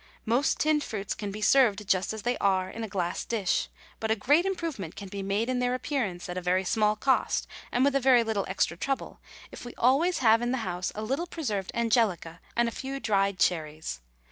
Most tinned fruits can be served just as they are, in a glass dish, but a great improvement can be made in their appearance at a very small cost and with a very little extra trouble if we always have in the house a little preserved angelica and a few dried cherries.